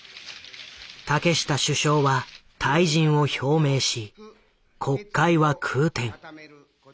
竹下首相は退陣を表明し国会は空転。